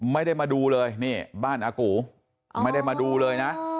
ไม่ได้มาดูเลยนี่บ้านอากูไม่ได้มาดูเลยนะ